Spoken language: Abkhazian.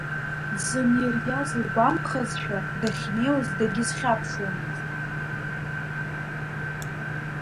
Дзынириаз лгәамԥхазшәа, дахьнеиуаз дагьизхьаԥшуамызт.